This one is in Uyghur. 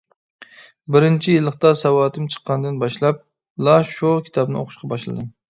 بىرىنچى يىللىقتا ساۋاتىم چىققاندىن باشلاپلا شۇ كىتابنى ئوقۇشقا باشلىدىم.